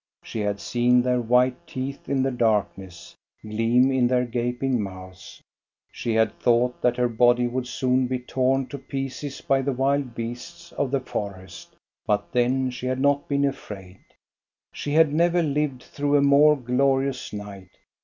She had seen their white teeth, in the darkness, gleam in their gaping mouths; she had thought that her body would soon be torn to pieces by the wild beasts of the forest; but then she had not been afraid. She had never lived through a more glorious night.